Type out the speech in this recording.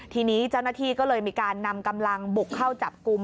ทีนี้เจ้าหน้าที่ก็เลยมีการนำกำลังบุกเข้าจับกลุ่ม